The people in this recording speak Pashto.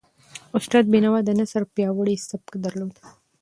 استاد بینوا د نثر پیاوړی سبک درلود.